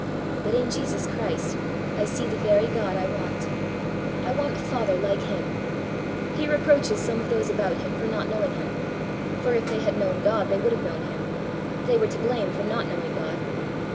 But in Jesus Christ I see the very God I want. I want a father like him. He reproaches some of those about him for not knowing him for, if they had known God, they would have known him: they were to blame for not knowing God.